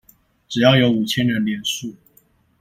只要有五千人連署